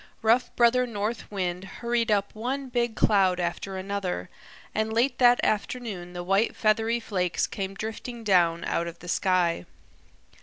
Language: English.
Rough Brother North Find hurried up one big cloud after another, and late that afternoon the white feathery flakes came drifting down out of the sky.